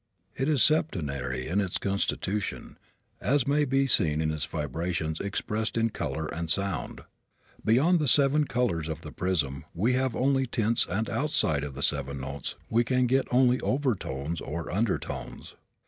It is septenary in constitution, as may be seen in its vibrations expressed in color and sound. Beyond the seven colors of the prism we have only tints and outside the seven notes we can get only overtones or undertones.